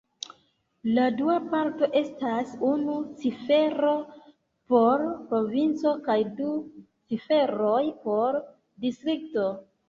La dua parto estas unu cifero por provinco kaj du ciferoj por distrikto.